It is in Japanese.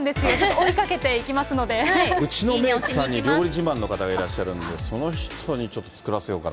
追いかけてうちのメークさんに料理自慢の方がいらっしゃるんで、その人にちょっと作らせようかな。